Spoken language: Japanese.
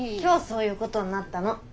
今日そういうことになったの。